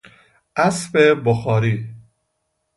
اسب بخاری